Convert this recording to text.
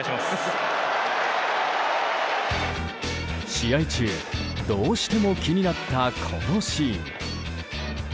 試合中どうしても気になったこのシーン。